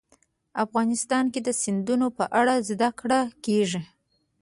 افغانستان کې د سیندونه په اړه زده کړه کېږي.